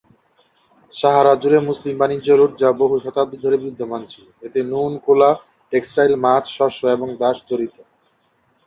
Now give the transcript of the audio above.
সাহারা জুড়ে মুসলিম বাণিজ্য রুট, যা বহু শতাব্দী ধরে বিদ্যমান ছিল, এতে নুন, কোলা, টেক্সটাইল, মাছ, শস্য এবং দাস জড়িত।